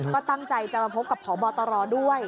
ก็ตั้งใจจะมาพบกับพบตรด้วย